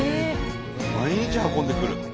毎日運んでくる。